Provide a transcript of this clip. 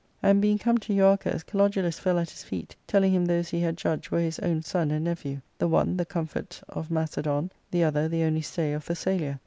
And being come to Euarchus, Kalodulus fell at his feet, telling him those he had judged were his own son and nephew, the one the comfort of Macedon, the other ^ the only stay of Thessalia.